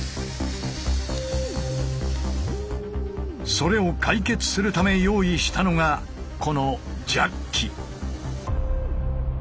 それを解決するため用意したのがこのジャッキ。